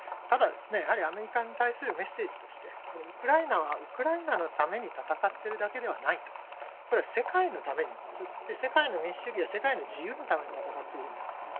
ただ、アメリカに対するメッセージとしてウクライナはウクライナのために戦っているだけではないこれは世界のために世界の民主主義や世界の自由のために戦っているんだと。